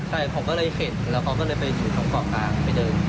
ใช่ผมก็เลยเห็นแล้วเขาก็เลยไปอยู่ตรงเกาะกลางไปเดิน